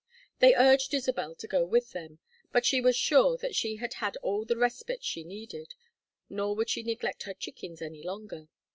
They urged Isabel to go with them, but she was sure that she had had all the respite she needed, nor would she neglect her chickens any longer.